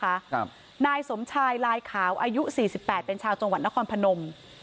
ครับนายสมชายลายขาวอายุสี่สิบแปดเป็นชาวจังหวัดนครพนม